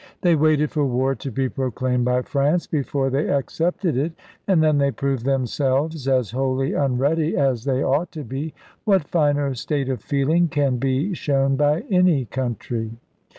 They waited for war to be proclaimed by France, before they accepted it. And then they proved themselves as wholly unready as they ought to be. What finer state of feeling can be shown by any country?